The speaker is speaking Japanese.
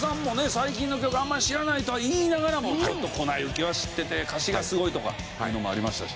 最近の曲あんまり知らないとは言いながらも『粉雪』は知ってて歌詞がすごいとかっていうのもありましたし。